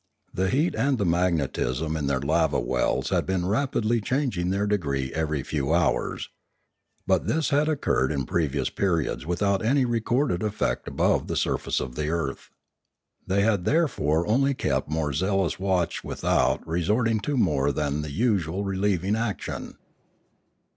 The heat and the magnetism in their lava wells had been rapidly changing their degree every few hours. But this had occurred in previous periods without any recorded effect above the surface of the earth. They had therefore only kept more zealous watch without resorting to more than the usual relieving action.